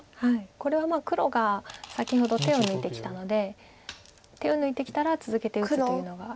これは黒が先ほど手を抜いてきたので手を抜いてきたら続けて打つというのが。